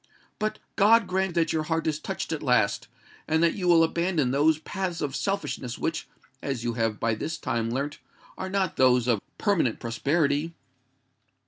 But God grant that your heart is touched at last, and that you will abandon those paths of selfishness which, as you have by this time learnt, are not those of permanent prosperity!